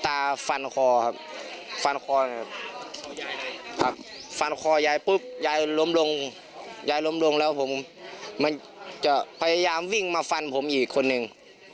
พ่อตาฟันคอครับฟันคอยายปุ๊บยายล้มลงแล้วผมมันจะพยายามวิ่งมาฟันผมอีกคนนึง